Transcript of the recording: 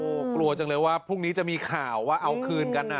โอ้โหกลัวจังเลยว่าพรุ่งนี้จะมีข่าวว่าเอาคืนกันอ่ะ